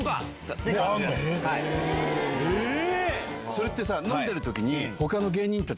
それってさ飲んでる時に。